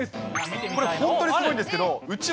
これ、本当にすごいんですけど。